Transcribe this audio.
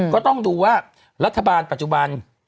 ก็ต้องดูว่ารัฐบาลปัจจุบัน